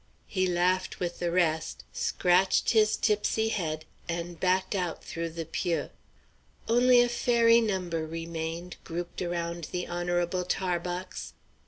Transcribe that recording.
_" He laughed with the rest, scratched his tipsy head, and backed out through the pieux. Only a fairy number remained, grouped around the honorable Tarbox.